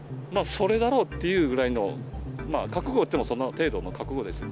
それだろうというぐらいのまあ、覚悟っていうのも、そんな程度の覚悟ですよ。